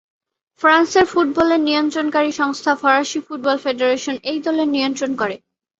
ফ্রান্সের ফুটবলের নিয়ন্ত্রণকারী সংস্থা ফরাসি ফুটবল ফেডারেশন এই দলের নিয়ন্ত্রণ করে।